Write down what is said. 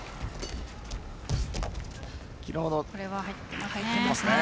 これは入っていますね。